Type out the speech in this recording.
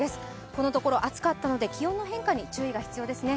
このところ暑かったので気温の変化に注意が必要ですね。